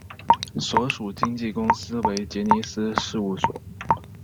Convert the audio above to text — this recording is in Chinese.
所属经纪公司为杰尼斯事务所。